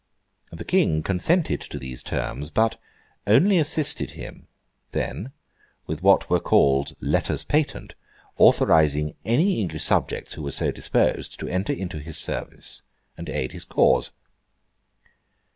The King consented to these terms; but only assisted him, then, with what were called Letters Patent, authorising any English subjects who were so disposed, to enter into his service, and aid his cause.